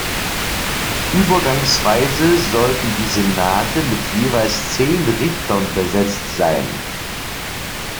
Übergangsweise sollten die Senate mit jeweils zehn Richtern besetzt sein.